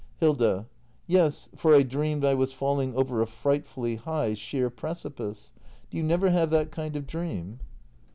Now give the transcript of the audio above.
Hilda. Yes, for I dreamed I was falling over a frightfully high, sheer precipice. Do you never have that kind of dream